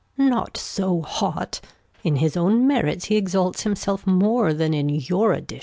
Gon. Not so hot. In his own Merits he exalts himself More than in your Addition.